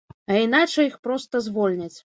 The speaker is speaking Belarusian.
А іначай іх проста звольняць.